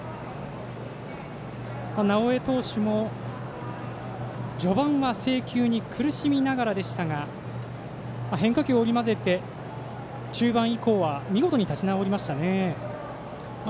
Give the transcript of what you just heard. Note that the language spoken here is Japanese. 直江投手も、序盤は制球に苦しみながらでしたが変化球を織り交ぜて中盤以降は見事に立ち直りましたね。